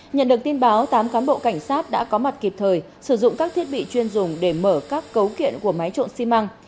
nhận được tin báo tám cán bộ cảnh sát đã có mặt kịp thời sử dụng các thiết bị chuyên dùng để mở các cấu kiện của máy trộn xi măng